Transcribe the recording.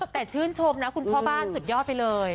แต่ชื่นชมนะคุณพ่อบ้านสุดยอดไปเลย